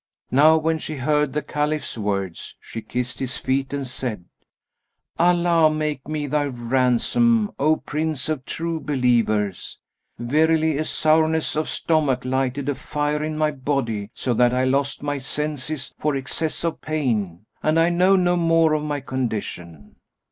Now when she heard the Caliph's words she kissed his feet and said, 'Allah make me thy ransom, O Prince of True Believers! Verily a sourness of stomach lighted a fire in my body, so that I lost my senses for excess of pain, and I know no more of my condition.'